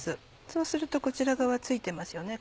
そうするとこちら側付いてますよね